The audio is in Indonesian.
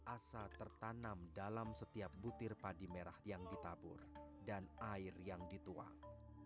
asa tertanam dalam setiap butir padi merah yang ditabur dan air yang dituang